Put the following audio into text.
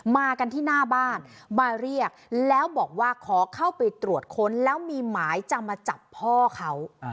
มากันที่หน้าบ้านมาเรียกแล้วบอกว่าขอเข้าไปตรวจค้นแล้วมีหมายจะมาจับพ่อเขา